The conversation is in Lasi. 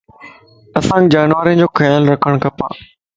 اسانک جانورين جو خيال رکڻ کپَ